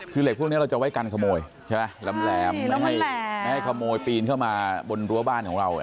คือเหล็กพวกนี้เราจะไว้การขโมยใช่ไหมแหลมไม่ให้ขโมยปีนเข้ามาบนรั้วบ้านของเรา